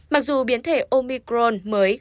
mặc dù biến thể omicron mới